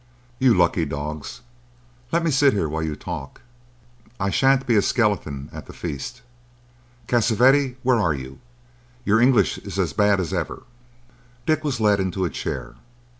"You lucky dogs! Let me sit here while you talk. I shan't be a skeleton at the feast.—Cassavetti, where are you? Your English is as bad as ever." Dick was led into a chair.